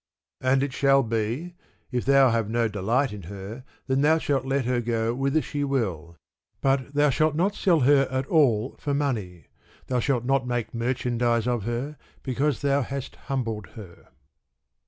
And it shall be, if thou have no delight in her, then thou shall let her go whither she will; but thou shalt not sell her at all for money, thou shalt not make merchandise of her, because thou hast humbled her.